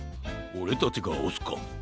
オレたちがおすか。